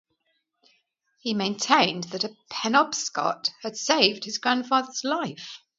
He maintained that a Penobscot had saved his grandfather's life.